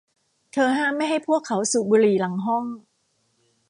เธอห้ามไม่ให้พวกเขาสูบบุหรี่หลังห้อง